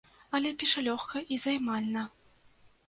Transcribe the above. Але піша лёгка і займальна.